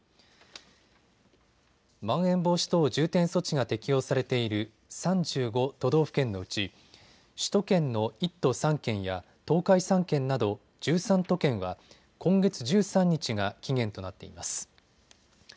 まん延防止等重点措置が適用されている３５都道府県のうち首都圏の１都３県や東海３県など１３都県は今月１３日が期限となっています。